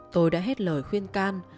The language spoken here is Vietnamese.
tôi đã hết lời khuyên can